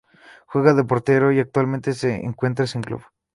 Juega de portero y actualmente se encuentra sin club.